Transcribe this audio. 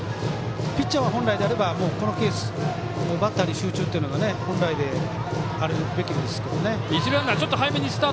ピッチャー本来であればこのケースバッターに集中というのが本来であるべきですけどね。